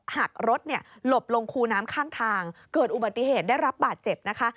หักรถหลบลงคูน้ำข้างทางเกิดอุบัติเหตุได้รับบาดเจ็บนะคะ